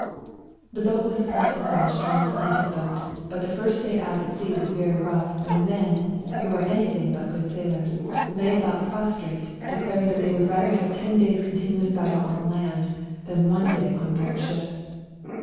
The boat w^as a fine French Trans atlantic boat, but the first day out at sea w^as very rough, and the men, who are anything but good sailors, lay about " SLAVA DAY " 241 prostrate, declaring that they would rather have ten days' continuous battle on land than one day on board ship.